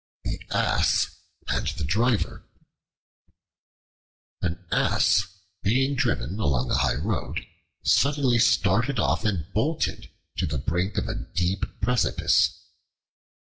The Ass and His Driver AN ASS, being driven along a high road, suddenly started off and bolted to the brink of a deep precipice.